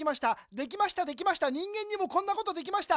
できましたできました人間にもこんなことできました。